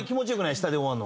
下で終わるのは。